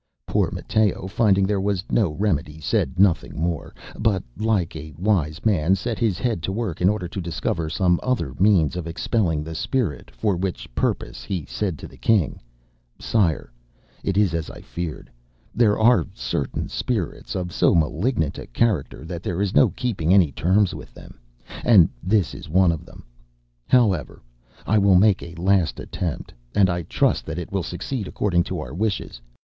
ŌĆØ Poor Matteo finding there was no remedy, said nothing more, but, like a wise man, set his head to work in order to discover some other means of expelling the spirit; for which purpose he said to the king, ŌĆ£Sire, it is as I feared: there are certain spirits of so malignant a character that there is no keeping any terms with them, and this is one of them. However, I will make a last attempt, and I trust that it will succeed according to our wishes.